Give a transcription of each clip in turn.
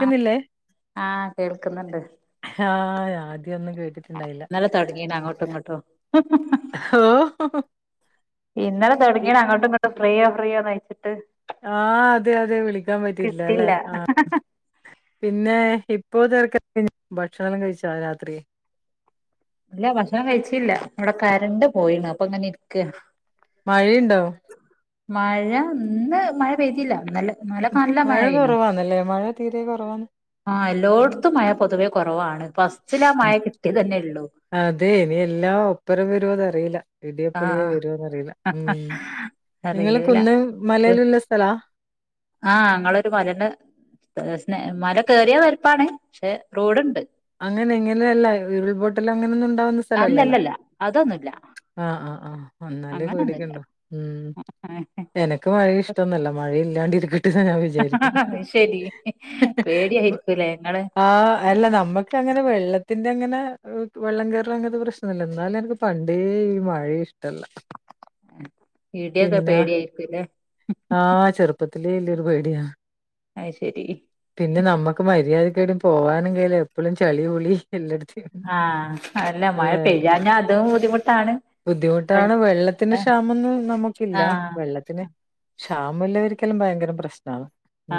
ആഹ് ആഹ് കേൾക്കുന്നുണ്ട് ആഹ് ആദ്യം ഒന്നും കേട്ടിട്ടുണ്ടായില്ല തുടങ്ങീന്നു അങ്ങോട്ടും ഇങ്ങോട്ടോ [inaudible] ഓ ഇന്നലെ ഇ തുടങ്ങിയ അങ്ങോട്ടും ഇങ്ങോട്ടു ഫ്രീയ ഫ്രീയ ചോദിച്ചിട്ട് ആഹ് അതെ അതെ വിളിക്കാൻ പറ്റില്ലല്ലെ കിട്ടില്ല ആഹ് പിന്നെ ഇപ്പോ ചേർക്ക കഴിഞ്ഞ ഭക്ഷണെല്ലം കഴിച്ചാ രാത്രി ഇല്ല ഭക്ഷണം കഴിച്ചില്ല ഇവിടെ കരണ്ട് പോയിണ് അപ്പ അങ്ങനെ ഇരിക്ക മഴയുണ്ടോ മഴ ഇന്ന് മഴ പെയ്തിയില്ല എന്നല് ഇന്നലെ നല്ല മഴ മഴനു കുറവാന്നല്ലേ മഴ തീരെ കുറവാണ് ആ എല്ലോടത്തും മഴ പൊതുവേ കുറവാണ് ഫസ്സില് ആ മഴ കിട്ടിയ തന്നെ ഉള്ളു അതെ ഇനി എല്ലാം ഒപ്പരം വരോന്ന് അറീല ഇടിയപ്പുളിയെ ആഹ് വരോന്ന് അറീല ഉം നിങ്ങൾ അറിയൂല കുന്ന് മലയല്ലം ള്ളസ്ഥലാ ആഹ് ഞങ്ങളൊരു മലന്റെ മല കേറിയാ പരപ്പാണ് പക്ഷെ റോഡുണ്ട് അങ്ങനെ ഇങ്ങനെയല്ല ഉരുൾപൊട്ടൽ അങ്ങന ഒന്നും ഉണ്ടാവുന്ന സ്ഥ അല്ലല്ലല്ല അതൊന്നുല്ല ആഹ് ആഹ് ആഹ് എന്നാലേ അങ്ങനൊന്നുല്ല പേടിക്കണ്ടു ഉം എനക്ക് മഴെ ഇഷ്ടംന്നല്ല മഴല്ലാണ്ടിരിക ഞാൻ വിചാരിക്കുന്നേ അത് ശരി [inaudible] ഹ് ഹ് പേടിയായിരിക്കൂലേ ഇങ്ങള് ആഹ് അല്ല നമ്മക്ക് പക്ഷെ അങ്ങനെ വെള്ളത്തിന്റെ അങ്ങനെ വെള്ളം കയറല് അങ്ങനത്തെ പ്രശ്നം ഇല്ല എന്നാലും എനിക്ക് പണ്ടേ ഈ മഴ ഇഷ് ഇഷ്ടല്ല ഇടിയൊക്കെ പേടിയായിക്കൂലേ ആഹ് ചെറുപ്പത്തിലേ ഇൻ്റെ ഒരു പേടിയാന്ന് അയ്ഷരി പിന്നെ നമ്മക്ക് മര്യാദക്കേടയും പോവാനും കയില എപ്പളും ചളിപിളി എല്ലടത്തിലും ആഹ് അല്ല മഴ പെയ്യാഞ്ഞാ അതും ബുദ്ധിമുട്ടാണ് ബുദ്ധിമുട്ടാണ് വെള്ളത്തിന്റെ ക്ഷാമൊന്നും നമക്കില്ല ആഹ് വെള്ളത്തിന് ക്ഷാമല്ലവരിക്കെല്ലം ഭയങ്കരം പ്രശ്നാണ്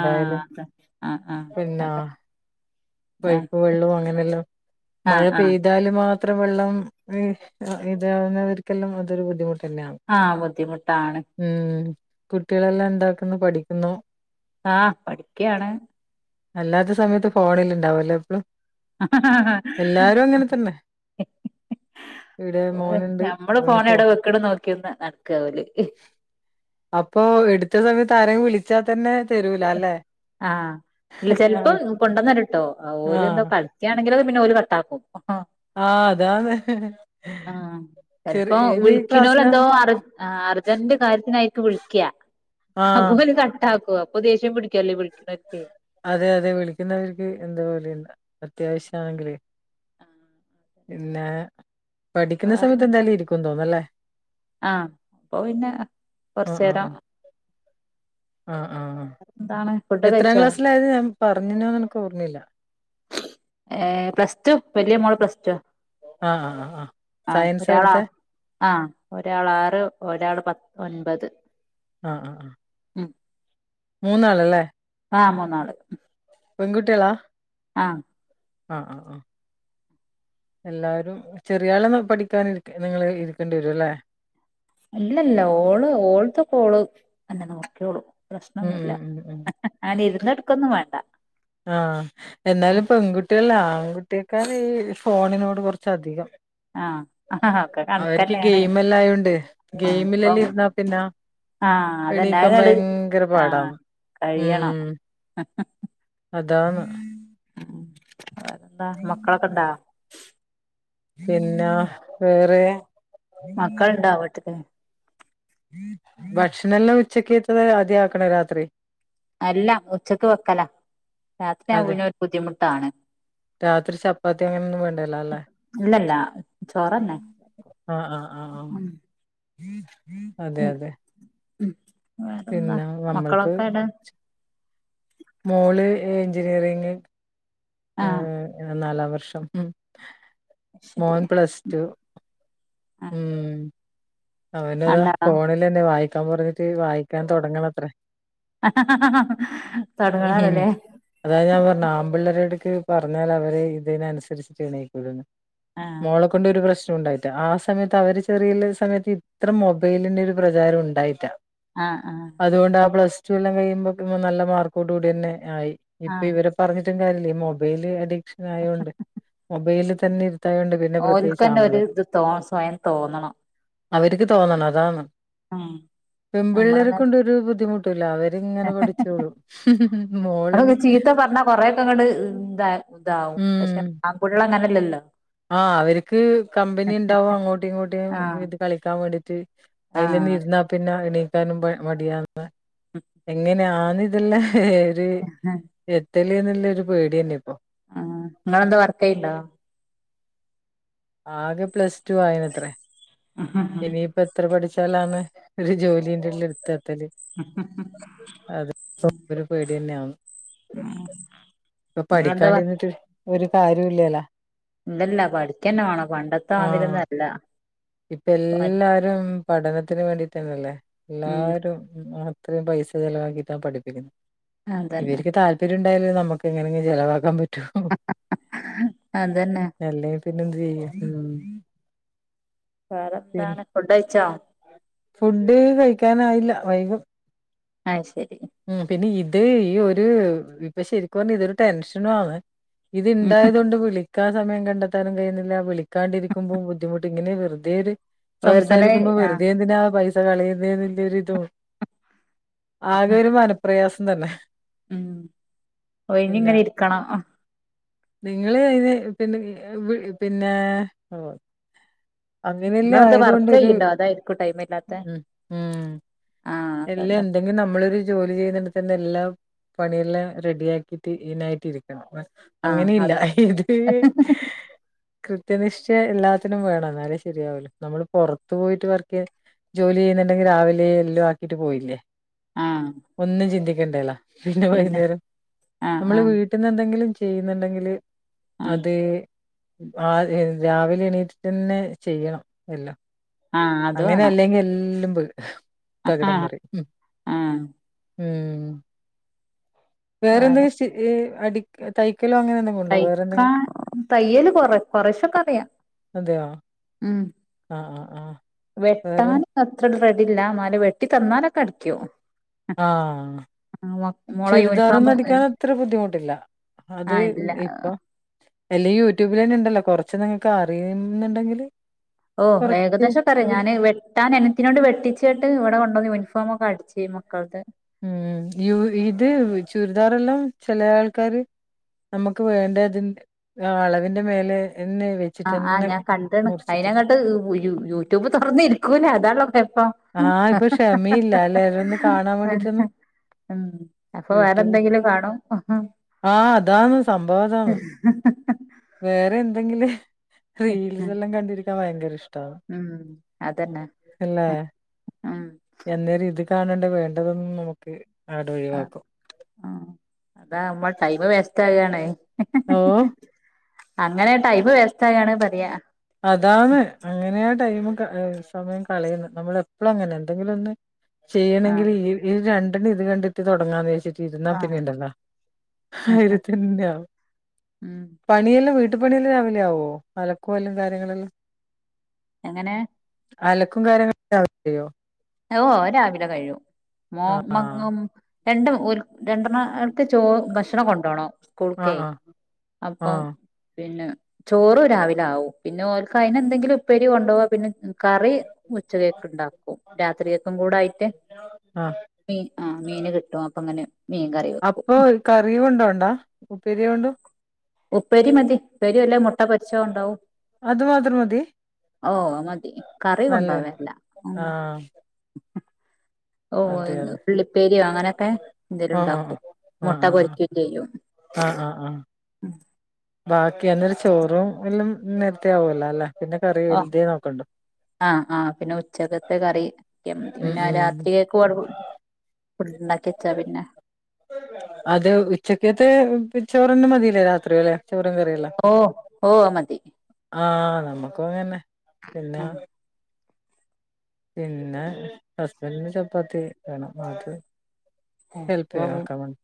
ആഹ് അതെ ആഹ് ആഹ് പിന്നെ അതെ പൈപ്പ് വെള്ളവും അങ്ങനെല്ലം ആഹ് മഴ ആഹ് പെയ്താല് മാത് ത്ര വെള്ളം ഇതാവുന്നവർക്കല്ലം അതൊരു ബുദ്ധിമുട്ട് തന്നെയാണ് ആഹ് ബുദ്ധിമുട്ടാണ് ഉം കുട്ട്യേളല്ലം എന്താക്ന്ന് പഠിക്കുന്നോ? ആഹ് പഠിക്കാണ്. അല്ലാത്ത സമയത്ത് ഫോണില് ഇണ്ടാവല്ലേ എപ്പളും എല്ലാരും അങ്ങനെ തന്നെ ഇവിടെ ഓഹ് മോനുണ്ട് നമ്മള് അവന് ഫോണ് ഫോ എവിടെ വെക്ണ് നോക്കി നടക്കാ ഓല് അപ്പൊ എടുത്ത സമയത്ത് ആരെങ്കിലും വിളിച്ചാ തന്നെ തരൂല അല്ലേ ആഹ് ഇല്ല ചെൽപ്പോ ആഹ് കൊണ്ടന്നരു ട്ടോ ഓല് എന്തോ ആഹ് കളിക്കാണങ്കിലൊക്ക പിന്നെ ഓല് കട്ടാകും അതാണ് ആഹ് ചെറി ചെൽപ്പോ ഏത് വിളിക്കിണോല് എന്തോ ക്ലാസ്സിലാണ് അർജ ആഹ് അർജ അർജെന്റ് കാര്യത്തിനായിക്കും വിളിക്ക ആഹ് അപ്പോല് കട്ടാക്കും അപ്പൊ ദേഷ്യം പിടിക്കല്ലോ വിളി [unintelligible] അതെ അതെ വിളിക്കുന്നവർക്ക് എന്തോ പോലെ അത്യാവശ്യാണെങ്കിലെ പിന്നെ പഠിക്കുന്ന സമയത്ത് വേറെന്താ എന്തായാലും ഇരിക്കും തോന്നല്ലേ ആഹ് അപ്പൊ പിന്നെ ആഹ് ആഹ് കൊർചേരം ആഹ് ആഹ് ആഹ് എന്താണ് ഫുഡ് എത്രാം കഴിച്ചോ ക്ലാസ്സിലായത് ഞാൻ പറഞ്നോന്ന് അനക്ക് ഓർമ്മയില്ല ഏഹ് പ്ലസ് ടു വലിയ മോള് പ്ലസ് ടു ആഹ് ആഹ് ആഹ് ആഹ് ആ ആഹ് സയൻസാ ഒരാളാ എടുത്തെ ആഹ് ഒരാൾ ആറ് ഒരാൾ പ ഒൻപത് ആഹ് ആഹ് ആഹ് ഉം മൂന്നാള് ല്ലേ ആഹ് മൂന്നാള് പെൺകുട്ട്യേളാ? ആഹ് ആഹ് ആഹ് ആഹ് എല്ലാവരും ചെറിയാളെ പഠിക്കാൻ നിങ്ങൾ ഇരിക്കേണ്ടി വരും ല്ലേ? ഇല്ലല്ല ഓള് ഓൾതൊക്കെ ഓള് അന്നെ നോക്ക്യോളും ഉം പ്രശ്നൊന്നുല്ല ഉം ഉം ഉം ഞാന് ഇരുന്നെടുക്കൊന്നും വേണ്ട ആഹ് ഉം എന്നാലും പെൺകുട്ടിയല്ലാ ആൺകുട്ടിയെക്കാന്ന് ഈ ഫോണിനോട് കൊറച്ച് അധികം ആഹ് ആഹ് ഒക്കെ അവർക്ക് കണക്കന്നെയാണ് ഗെയിമല്ലാം ആയോണ്ട് ആഹ് ഗെയിമിലല്ല അപ്പം ഇരുന്നാ പിന്ന ആഹ് അതന്നെ എണീക്കാൻ അതങ്ങട് ഭയങ്കര പാടന്ന് ഉം അ അതാണ് വേറെന്താ മക്കളൊക്കണ്ടാ? പിന്ന വേറെ മക്കളുണ്ടാ [unintelligible] ഭക്ഷണല്ലാം ഉച്ചകേത്തത് ആദ്യ ആക്കണ രാത്രി അല്ല ഉച്ചക്ക് വെക്കല രാത്രി അതെ ആവുനൊ ഒരു ബുദ്ധിമുട്ടാണ് രാത്രി ചപ്പാത്തി അങ്ങനെൊന്നും വേണ്ടലല്ലേ ഇല്ലല്ല ചോറന്നെ ആഹ് ആഹ് ആഹ് ആഹ് ഉം അതെ ഉം അതെ ഉം വേറെന്താ പിന്നെ നമ്മൾക്ക് മക്കളൊക്കെ എടെ? മോള് എഞ്ചിനീയറിങ് ആഹ് ഏ നാലാം വർഷം ഉം ശരി മോൻ പ്ലസ് ടു ആഹ് ഉം അവനതാ കണ്ടാളാ ഫോണിൽന്നെ വായിക്കാൻ പറഞ്ഞിട്ട് വായിക്കാൻ തുടങ്ങണത്രേ തടങ്ങണാലല്ലേ അതായത് ഞാൻ പറഞ്ഞു ആമ്പിള്ളേരടക്ക് പറഞ്ഞാൽ അവര് ഇതിനനുസരിച്ചിട്ടാണീക്കൂന്ന് ആഹ് മോളെ കൊണ്ട് ഒരു പ്രശ്നം ഉണ്ടായിട്ട്ല്ല ആ സമയത്ത് അവര് ചെറിയ സമയത്ത് ഇത്ര മൊബൈലിന്റെ ഒരു പ്രചാരം ഉണ്ടായില്ല ആഹ് ആഹ് അതുകൊണ്ട് ആ പ്ലസ് ടു എല്ലാം കഴിയുമ്പോ നല്ല മാർക്കോട് കൂടി തന്നെ ആയി ഇപ്പൊ ഇവ ആഹ് ഇവരെ പറഞ്ഞിട്ടും കാര്യല്ല മൊബൈല് അഡിക്ഷൻ ആയതൊണ്ട് മൊബൈല് തന്നെ ഇരുത്തായതോണ്ട് ഓൽക്കന്റെ ഒരു ഇത് തോ സ്വയം തോന്നണം അവർക്ക് തോന്നണം അതാണ് ഉം പെമ്പിള്ളേരെ നമ്മളങ്ങനെ കൊണ്ടരു ബുദ്ധിമുട്ട് ഇല്ല അവരിങ്ങനെ പഠിച്ചോളൂ മോളില് നമ്മളൊക്കെ ചീത്ത പറഞ്ഞാ കൊറെയൊക്കെ അങ്ങട് ഇതാ ഇതാവും പക്ഷെ ആമ്പിള്ള അങ്ങനെല്ലല്ലോ ആഹ് അവർക്ക് കമ്പനി ഉണ്ടാവും അങ്ങോട്ടും ഇങ്ങോട്ടും ആഹ് ഇത് കളിക്കാൻ വേണ്ടിട്ട് അയില തന്നെ ആഹ് ഇരുന്ന പിന്നെ എണീക്കാനും മടിയന്ന് എങ്ങനെയാന്ന് ഇതെല്ല ഇത് എത്തല് എന്നുള്ളരു പേടി തന്നെ ഇപ്പൊ മം നിങ്ങളെന്താ വർക്കയിണ്ടോ? ആകെ പ്ലസ് ടു ആയിന്നത്രെ ഇനിയിപ്പ എത്ര പഠിച്ചാലാണ് ഒരു ജോലിന്റെ ഉള്ള എടുത്ത് ത്തില് അത് ഒരു പേടി തന്നെയ ആണ് ഉംഹ് ഇപ്പൊ പഠിക്കാണ്ടിന്നിട്ട് ഒരു കാര്യംല്ലല്ലോ ഇല്ലല്ല പഠിക്കന്നെ വേണം പണ്ടത്തെ ആഹ് മാതിരിഒന്നല്ല ഇപ്പ എല്ലാരും പഠനത്തിന് വേണ്ടി തന്നെല്ലേ ഉം എല്ലാരും ഇത്രയും പൈസ ചിലവാക്കിട്ടാണ് പഠിപ്പിക്കുന്നത് അതന്നെ ഇവർക്ക് താപര്യം പ്പ്ര്യംണ്ടായല് നമുക്ക് എങ്ങനെങ്കിലും ചിലവാക്കാൻ പറ്റു അതന്നെ അല്ലെങ്കി പിന്നെ എന്ത്തു ചെയ്യും മം വേറെ എന്താണ്, ഫുഡ്‌കഴിച്ചോ ഫുഡ് കഴിക്കാനായില്ല വൈകും അത് ശരി മം പിന്നെ ഇത് ഈ ഒരു ഇപ്പൊ ശരിക്കും പറഞ്ഞ ഇതൊരു ടെൻഷനും ആണ് ഇത് ഇണ്ടായത് കൊണ്ട് വിളി ക്കാൻ സമയം കണ്ടെത്താനും കഴിയുന്നില്ല വിളിക്കാണ്ടിരിക്കുമ്പോൾ ബുദ്ധിമുട്ട് ഇങ്ങനെ വെറതെഒരു വെറുതനെ സംസാരിക്കുമ്പോ ആഹ് വെറുതെന്തിനാ പൈസ കളയുന്നള്ളരിതും ഒരു മനപ്രയാസം തന്നെ ഉം പിന്നെ ഒഴിഞ്ഞ്ഞിങ്ങനെ ഇരിക്കണം. നിങ്ങള് അതിന് പിന്നെ പിന്നെ അങ്ങനെയല്ലേ നിങ്ങളെന്താ ആയതൊണ്ട് വർക്ക് ഒരു ചെയ്യണ്ടോ അതായിരിക്കും ടൈം ഇല്ലാത്തെ മം ഉം ആഹ് എല്ല അതോണ്ടാ എന്തെങ്കിലും നമ്മളരു ജോലി ചെയ്യുന്നിത്തന്ന എല്ലാം പണിയെല്ലാം റെഡിയാക്കിട്ട് ഈനായിട്ട് ഇരിക്കണം. ആഹ് അങ്ങനെയില്ല അതോ ഇത് കൃത്യനിഷ്ഠ എല്ലാത്തിനും വേണം എന്നാലും ശരിയാവള്ളൂ നമ്മള് പുറത്തു പോയിട്ട് വർക്ക് ചെയ്യ. ജോലി ചെയ്യുന്നുണ്ടെങ്കിൽ രാവിലെ എല്ലാം ആക്കിട്ട് പോയില്ലേ. ആഹ് ഒന്നും ചിന്തിക്കണ്ടല്ല പിന്നെ വൈകുന്നേരം ആഹ് നമ്മള് ആഹ് വീട്ടിൽ കിട്ടുന്നുണ്ടെങ്കിലും ചെയ്യുന്നുണ്ടെങ്കില് ആഹ് അത് ആ രാവിലെ എണീറ്റ് തന്നെ ചെയ്യണം എല്ലാം ആഹ് അത് അങ്ങനെ വേണം അല്ലെങ്കിൽ എല്ലാം പോയി തകിടം ആഹ് മറിയും ആഹ് ഉ വേറെന്തും വേറെ ശി ഈ അടി തൈക്കലോ അങ്ങനെന്തൊ തയ്ക്കാൻ തയ്യല് കൊറ കൊറശൊക്കെ അറിയാം അതെയോ ഉം ആഹ് ആഹ് ആഹ് വേറെ വെട്ടാന അത്ര റെഡില്ല എന്നല് വെട്ടി തന്നാലൊക്കെ അടിക്കും ആഹ് മോളെ ചുരിദാറ് യൂണിഫോം ഒന്നും അടിക്കാൻ അത്ര ബുദ്ധിമുട്ടില്ല അത് ആഹ് ഇല്ല ഇപ്പൊ എല്ല യൂട്യൂബിൽ തന്നെ ഉണ്ടല്ലോ കൊറച്ച് നിങ്ങക്ക് അറിയുന്നുണ്ടെങ്കില് ഓ കൊറച്ച് ഏദേശൊക്കെ അറിയാം യൂട്യൂബില് ഞാന് വെട്ടാൻ അനിയത്തിനോട് വെട്ടിച്ചട്ട് ഇവിടെണ്ടോന്നു യൂണിഫോമ ഒക്കെ അടിച്ച് ഈ മക്കൾ തെ ഉം ഇത് ചുരിദാറെല്ലാം ചില ആൾക്കാര് നമുക്ക് വേണ്ടതിന്റെ അളവിന്റെ മേലെെ വെ ആഹ് ആ ഞാൻ കണ്ടണ് അയിന്ങ്ങോട്ട് യൂട്യൂബ് തുറന്ന ഇരിക്കൂല്ലേ അതാണ് കൊയപ്പം ആഹ് ഇപ്പൊ ക്ഷമയില്ല അലല ഇത് ഒന്ന് കാണാൻ വേണ്ടീട്ടൊന്നും ഉം അപ്പൊ വേറെന്തെങ്കിലും കാണോ ആഹ് അതാന്ന് സംഭവം അതാണ് വേറെ എന്തെങ്കിലും റീൽസ് എല്ലാം കണ്ടിരിക്കാൻ ഭയങ്കര ഇഷ്ടം ഉം അതന്നെ അല്ലേ ഉം എന്നേരം ഇത് കാണണ്ട വേണ്ടതും നമുക്ക് അടെ ഒഴിവാക്കും അതാവുമ്പം ടൈമ് വേസ്റ്റ് ആവുകയാണ്. ഓ അങ്ങനെ ടൈമ് വേസ്റ്റാവാണെ പറയാ അതാണ് അങ്ങനെയാ ടൈം സമയം കളയുന്നത് നമ്മൾ എപ്പള അങ്ങനെ എന്തെങ്കിലും ഒന്ന് ചെയ്യണമെങ്കിൽ ആഹ് ഈ ഈ രണ്ടണ്ണം ഇത് കണ്ടിട്ട് തുടങ്ങാന്ന് വെച്ചിട്ട് ആഹ് ഇരുന്നാൽപിന്നെണ്ടല്ലോ ആയിരത്തിന്ന് ആവും ഉം പണിയെല്ലാം വീട്ടു പണിയെല്ലാം രാവിലെ ആവോ അലക്കല്ലാം കാര്യങ്ങളെല്ലാം എങ്ങനെ അലക്കും കാര്യങ്ങളൊക്കെ രാവിലെ ചെയ്യാ ഓ അത് രാവിലെ കഴിയും മോ ആഹ് [unintelligible] രണ്ടും ഒരു രണ്ടെണ ആൾക്ക് ച ഭക്ഷണം കൊണ്ടോണം ആഹ് സ്കൂൾക്കെ ആഹ് അപ്പം ആഹ് പിന്നെ ചോറു രാവിലെ ആവും പിന്നെ ഓക്ക് അയിന് എന്തെങ്കിലും ഉപ്പേരി കൊണ്ടുപോവാ പിന്നെ കറി ഉച്ച തേക്ക് ഉണ്ടാക്കും രാത്രി യേക്കും കൂടെ ആയിട്ട് ആഹ് മീൻ ആ മീന് കിട്ടും അപ്പൊ അങ്ങനെ മീൻ കറി വെക്കും അപ്പൊ കറി കൊണ്ടോണ്ടാ ഉപ്പേരികൊണ്ടോ ഉപ്പരി മതി ഉപ്പരി അല്ലേ മുട്ട പോരിച്ച ഉണ്ടാവും അത് മാത്രം മതി ഓ മതി കറി നല്ലന്നെ കൊണ്ടോവേല്ല ഉം ആഹ് ഓ അതെ അതെ ഉള്ളിപ്പേരിയോ അങ്ങനെയൊക്കെ എന്തേലും ആഹ് ആഹ് ഉണ്ടാക്കും ആഹ് ആഹ് മുട്ട ആഹ് പൊരിക്കയും ചെയ്യും ആഹ് ആഹ്ആഹ് ബാക്കി അന്നരു ചോറും എല്ലാം നേരത്തെ ആവൂലാലേ പിന്നെ കറി ഓ വലുതേ നോക്കണ്ടു ആഹ് ആഹ് പിന്നെ ഉച്ചയ്ക്കത്തെ കറി [inaudible] ഉം പിന്നെ ഉം രാത്രി ഫുഡുണ്ടാക്കി വെച്ചാ പിന്നെ അതെ ഉച്ചയ്ക്കത്തെ ചോറ്തന്നെ മതിയല്ലോ രാത്രി അല്ലേ ചോറും കറിയെല്ലാം ഓ ഓ മതി ആഹ് നമ്മക്കും അത് തന്നെ പിന്ന ഉം പിന്നെ ഹസ്ബന്റിന് ചപ്പാത്തി വേണം [unintelligible] ഹെൽപ്പ് ചെയ്യും അപ്പം അതൊക്കെ വന്ന്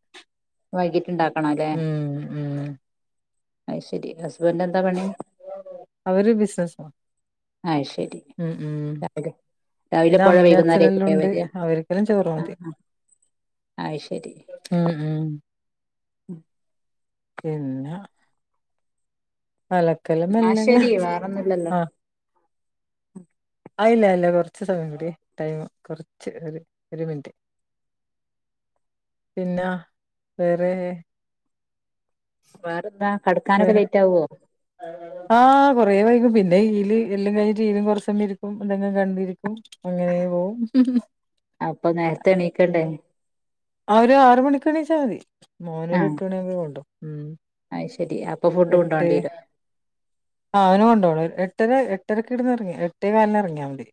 വൈകിട്ടുണ്ടാക്കണല്ലേ ഉം ഉം അയ് ശരി ഹസ്ബന്റ് എന്താ പണി അവര് ബിസിനസാ അയ് ശരി ഉം ഉം പിന്നെ രാവിലെപോയാ അമ്മയും വൈകുന്നരേം ആ യ്ക്കും അച്ഛനെല്ലാം ല്ലേ ഉണ്ട് വര അവർക്കെല്ലാം ചോറ് മതി ആഹ് ആഹ് അയ് ശരി ഉം ഉം പിന്നെ അലക്കലും ആ മെല്ലനെ ശരി വേറൊന്നുമില്ലല്ലോ ആഹ് ആഇല്ല ഇല്ല കുറച്ച് സമയം കൂടി ടൈം കുറച്ച് ഒരു ഒരു മിനിറ്റ് പിന്നാ വേറെ വേറെന്താ കെടക്കാനൊക്കെ ലേറ്റ് ആവോ [inaudible] ആ കൊറേ വൈകും പിന്നെ ഈല് എല്ലാം കഴിഞ്ഞിട്ട് ടിവിയും കുറേ സമയം ഇരിക്കും എന്തെങ്കിലും കണ്ടിരിക്കും അങ്ങനേ പോവും അപ്പം നേരത്തേ എണീക്കണ്ടേ ആ ഒരു ആറ് മണിക്ക് എണീച്ചാൽ മതി ആ മോനൊരു എട്ട് മണിയാകുമ്പൊഴാ പോണ്ടെ ഉം അത് ശരി അപ്പൊ ഫുഡ് എട്ട് കൊണ്ടോണ്ടി വരും ആ അവന് കൊണ്ട് പോണം എട്ടര എട്ടരക്ക് ഇവിടുന്ന് ഇറങ്ങി എട്ടേകാലിന് ഇറങ്ങിയാ മതി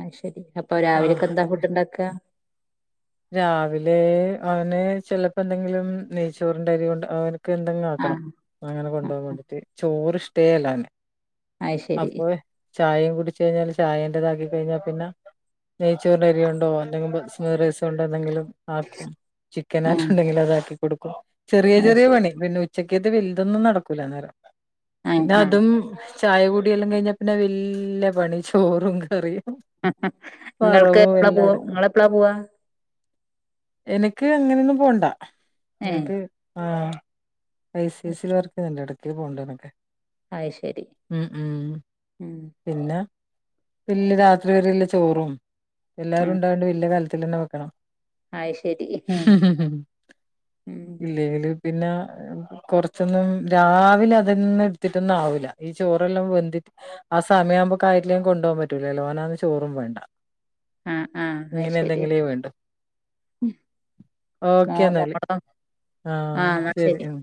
അയ് ശരി അപ്പൊ ആഹ് രാവിലെയൊക്കെ എന്താ ഫുട്ട് ഇണ്ടാക്ക രാവിലെ അവന് ചെലപ്പോ എന്തെങ്കിലും നെയ്ച്ചോറിന്റെ അരി കൊണ്ട് അവന് എന്തെങ്കിലും ആ ആക്കണം അങ്ങനെ ആ കൊണ്ടുപോവാൻ വേണ്ടിട്ട് ചോറ് ഇഷ്ടവേ അല്ല അവന് അത് ശരി അപ്പൊ ചായയും കുടിച്ച് കഴിഞ്ഞാല് ചായേന്റതാക്കി കഴിഞ്ഞാൽ പിന്നെ നെയ്ച്ചോറിന്റെ അരി കൊണ്ട് ഓന്റെ ബസുമതി റൈസ് കൊണ്ട് എന്തെങ്കിലും ആക്കും ആ ചിക്കനായിട്ട് ഉണ്ടെങ്കിൽ അതാക്കി കൊടുക്കും ചെറിയ അത് ചെറിയ ശരി പണി പിന്നെ ഉ ഉച്ചക്കത്തെ വലുതൊന്നും നടക്കൂല അന്നേരം ആ പിന്നെ ആ അതും ചായ കൂടിയെല്ലാം കഴിഞ്ഞാ പിന്നെ വല്യ പണി ചോറും കറിയും ഇങ്ങൾക്ക് വറവും എപ്പളാ എല്ലാം പോവാ അടക്കം ഇങ്ങൾ എപ്പളാ പോവാ എനിക്ക് അങ്ങനെയൊന്നും പോണ്ടാ ഏ എനിക്ക് ആഹ് ഐ സി ഐ സിൽ വർക്ക് ചെയ്യുന്നുണ്ട് എടക്ക് പോണ്ടന്നൊക്കെ അത് ശരി ഉം ഉം ഉം പിന്നെ [unintelligible] രാത്രി വരെയുള്ള ചോറും ആ എല്ലാരും ഉണ്ടായോണ്ട് വലിയ കലത്തി തന്നെ വെക്കണം അയ്ശരി ഉം ഇല്ലേല് പിന്നെ കൊറച്ചൊന്നും രാവിലെ അതൊന്നും എടുത്തിട്ടൊന്നും ആവൂല്ല ഈ ചോറെല്ലാം വെന്തി ആ സമയം ആവുമ്പോക്കായിറ്റിലേൽ കൊണ്ടു പോകാൻ പറ്റൂലല്ലോ ഓനാണേ ചോറും വേണ്ട ആഹ് ആഹ് ഇങ്ങനെ അയ്ശരി എന്തെങ്കിലു വേണ്ടു മോ ഓക്കെ എന്നാല് മോളോ ആഹ് ശരി ഉം